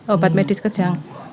obat medis kejang